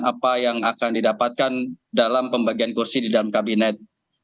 apa yang akan didapatkan dalam pembagian kursi di dalam kabinet